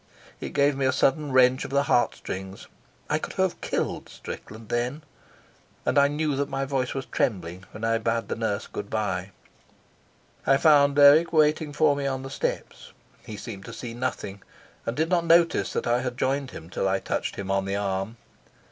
It gave me a sudden wrench of the heart strings. I could have killed Strickland then, and I knew that my voice was trembling when I bade the nurse good bye. I found Dirk waiting for me on the steps. He seemed to see nothing, and did not notice that I had joined him till I touched him on the arm.